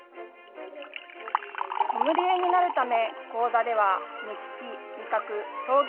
ソムリエになるため、講座では目利き、味覚、表現、